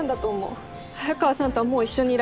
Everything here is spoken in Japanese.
早川さんとはもう一緒にいられない。